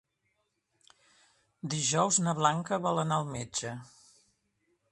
Dijous na Blanca vol anar al metge.